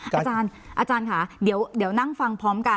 อาจารย์ค่ะเดี๋ยวนั่งฟังพร้อมกัน